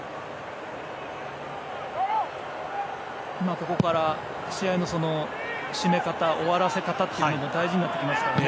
ここから試合の締め方、終わらせ方というのも大事になってきますからね。